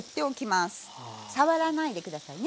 触らないで下さいね